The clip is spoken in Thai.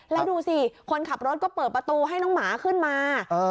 แล้วดูสิคนขับรถก็เปิดประตูให้น้องหมาขึ้นมา